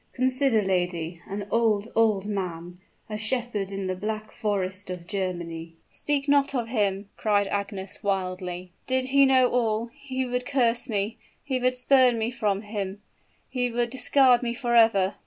Consider, lady an old, old man a shepherd in the Black Forest of Germany " "Speak not of him!" cried Agnes, wildly. "Did he know all, he would curse me he would spurn me from him he would discard me forever!